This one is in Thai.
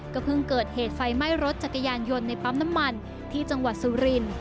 เพิ่งเกิดเหตุไฟไหม้รถจักรยานยนต์ในปั๊มน้ำมันที่จังหวัดสุรินทร์